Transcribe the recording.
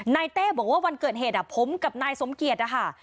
เต้บอกว่าวันเกิดเหตุผมกับนายสมเกียจนะคะ